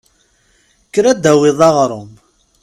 Kker ad d-tawiḍ aɣrum.